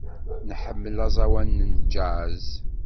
Nḥemmel aẓawan n jazz.